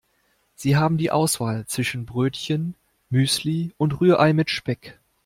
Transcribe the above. Sie haben die Auswahl zwischen Brötchen, Müsli und Rührei mit Speck.